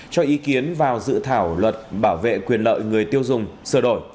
cho ý kiến vào dự thảo luật bảo vệ quyền lợi người tiêu dùng sửa đổi